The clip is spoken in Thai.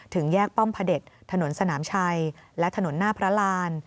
ถึงแยกป้อมพระเด็จถนนสนามชัยและถนนหน้าพระราน